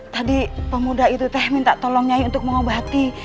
tadi pemuda itu minta tolong nyai untuk mengobati